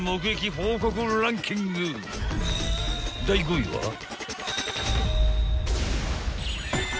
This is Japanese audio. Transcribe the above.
［第５位は］